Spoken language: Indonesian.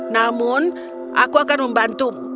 namun aku akan membantumu